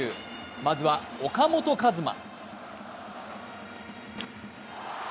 まずは岡本和真。